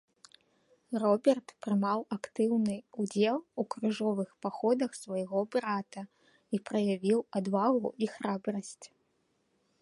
Роберт прымаў актыўны ўдзел у крыжовых паходах свайго брата і праявіў адвагу і храбрасць.